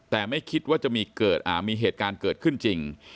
แต่ไม่คิดว่าจะมีเหตุการณ์เกิดขึ้นจริง